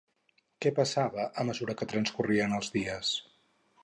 Què passava a mesura que transcorrien els dies?